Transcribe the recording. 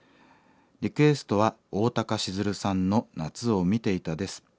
リクエストはおおたか静流さんの『夏を見ていた』です。